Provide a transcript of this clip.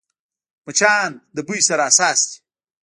مچان د بوی سره حساس دي